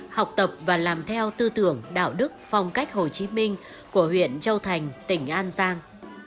học tập và làm theo tư tưởng đạo đức phong cách hồ chí minh của huyện châu thành tỉnh an giang